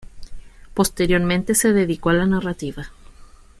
Posteriormente se dedicó a la narrativa.